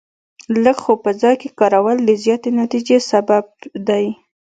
لږ خو په ځای کار کول د زیاتې نتیجې سبب دی.